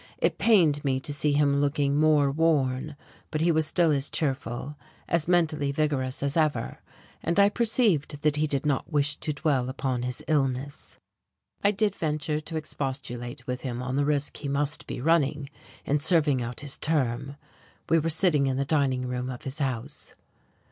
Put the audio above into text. It pained me to see him looking more worn, but he was still as cheerful, as mentally vigorous as ever, and I perceived that he did not wish to dwell upon his illness. I did venture to expostulate with him on the risk he must be running in serving out his term. We were sitting in the dining room of his house.